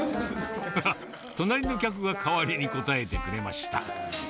隣の客が代わりに答えてくれました。